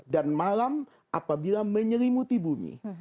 dan malam apabila menyelimuti bumi